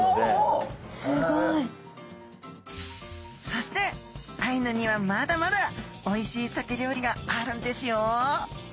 そしてアイヌにはまだまだおいしいサケ料理があるんですよ！